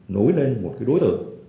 nối lên một đối tượng